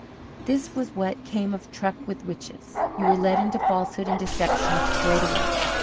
This was what came of truck with witches you were led into falsehood and deception straightaway.